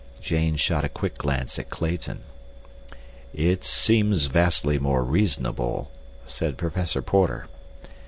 Jane shot a quick glance at Clayton. "It seems vastly more reasonable," said Professor Porter.